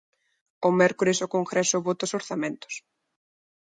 O mércores o Congreso vota os orzamentos.